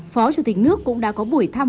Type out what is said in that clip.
phó chủ tịch nước cũng đã có buổi thăm